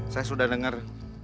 saya sudah dengar